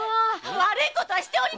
悪いことはしておりませぬ！